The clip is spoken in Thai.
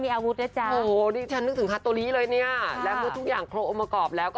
ไม่มีใครรู้ว่ายุเป็นใคร